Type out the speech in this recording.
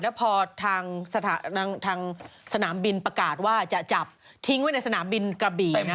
แล้วพอทางสนามบินประกาศว่าจะจับทิ้งไว้ในสนามบินกระบี่